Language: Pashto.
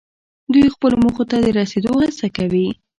دوی خپلو موخو ته د رسیدو هڅه کوي.